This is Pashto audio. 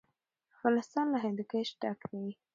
افغانستان له هندوکش ډک دی.